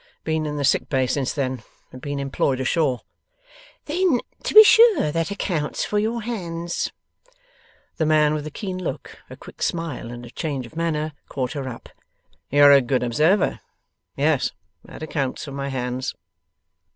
Been in the sick bay since then, and been employed ashore.' 'Then, to be sure, that accounts for your hands.' The man with a keen look, a quick smile, and a change of manner, caught her up. 'You're a good observer. Yes. That accounts for my hands.